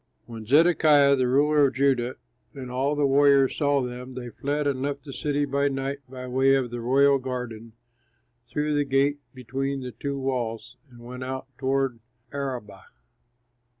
When Zedekiah, the ruler of Judah, and all the warriors saw them, they fled and left the city by night by the way of the royal garden, through the gate between the two walls, and went out toward the Arabah.